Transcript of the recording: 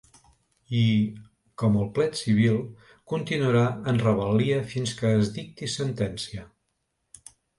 I, com el plet civil, continuarà en rebel·lia fins que es dicti sentència.